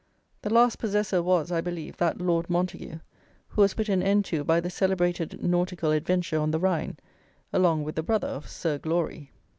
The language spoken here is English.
The last possessor was, I believe, that Lord Montague who was put an end to by the celebrated nautical adventure on the Rhine along with the brother of Sir Glory.